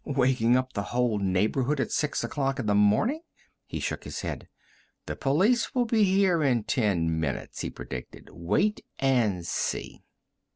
Waking up the whole neighborhood at six o'clock in the morning?" He shook his head. "The police will be here in ten minutes," he predicted. "Wait and see."